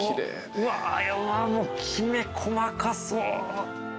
うわきめ細かそう。